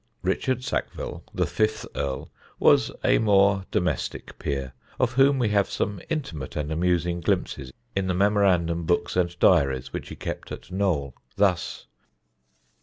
Richard Sackville, the fifth earl, was a more domestic peer, of whom we have some intimate and amusing glimpses in the memorandum books and diaries which he kept at Knole. Thus: "Hy.